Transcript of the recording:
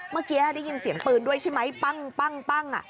เมื่อกี้ได้ยินเสียงปืนด้วยใช่ไหมปั้ง